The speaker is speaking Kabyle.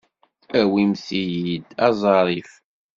Awimt-iyi-d aẓarif.